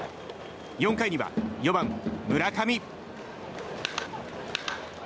４回には４番、村上。